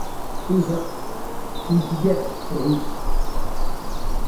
Osa signifie guêpe en russe.